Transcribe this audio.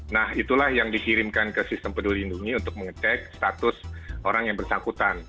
nah itulah yang dikirimkan ke sistem peduli lindungi untuk mengecek status orang yang bersangkutan